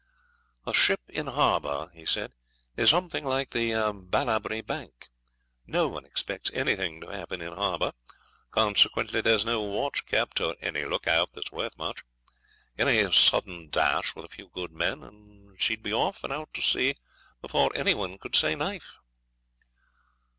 'A ship in harbour,' he said, 'is something like the Ballabri bank. No one expects anything to happen in harbour, consequently there's no watch kept or any look out that's worth much. Any sudden dash with a few good men and she'd be off and out to sea before any one could say "knife".'